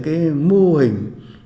cái mô hình